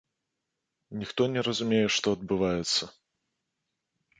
Ніхто не разумее, што адбываецца.